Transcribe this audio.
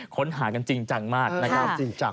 ค้นหากันจริงจังมากนะครับ